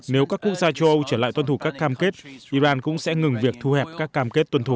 nếu các quốc gia châu âu trở lại tuân thủ các cam kết iran cũng sẽ ngừng việc thu hẹp các cam kết tuân thủ